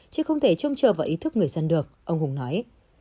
chứ không thể trông chờ vào ý thức người dân được ông hùng nói